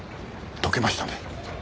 解けましたね。